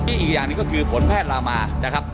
อีกอย่างหนึ่งก็คือผลแพทย์ลามานะครับ